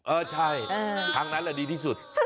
เออใช่ทั้งนั้นแหละดีที่สุด